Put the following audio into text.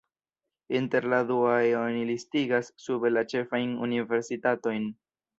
Inter la duaj oni listigas sube la ĉefajn universitatojn.